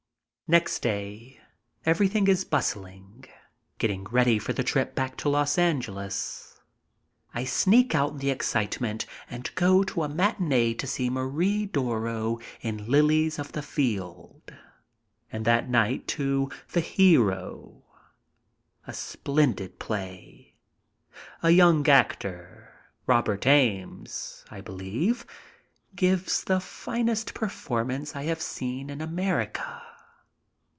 Next day everything is bustling, getting ready for the trip back to Los Angeles. I sneak out in the excitement and go to a matinee to see Marie Doro in "Lilies of the Field," and that night to "The Hero," a splendid play. A young actor, Robert Ames, I believe, gives the finest performance I have ever seen in America.